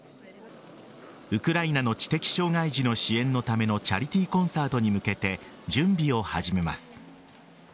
ウクライナの知的障害児の支援のためのチャリティーコンサートに向けて準備を始めます。